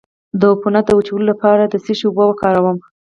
د عفونت د وچولو لپاره د څه شي اوبه وکاروم؟